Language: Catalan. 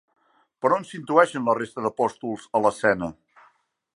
Per on s'intueixen la resta d'apòstols a l'escena?